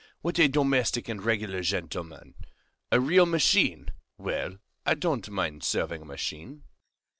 What a domestic and regular gentleman! A real machine; well, I don't mind serving a machine."